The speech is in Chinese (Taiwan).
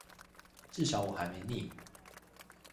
至少我還沒膩